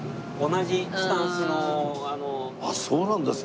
あっそうなんですか。